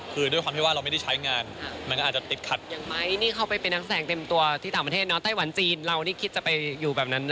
คือด้วยความรู้ว่าเราไม่ได้ใช้งาน